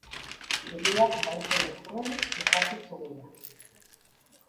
Zubiak maite dituen irrati-zubia.